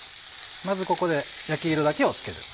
まずここで焼き色だけをつける。